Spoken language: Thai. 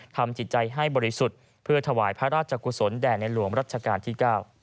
ทำจิตใจให้บริสุทธิ์เพื่อถวายพระราชกุศลแด่ในหลวงรัชกาลที่๙